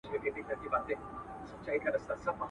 o غم ډک کور ته ورلوېږي.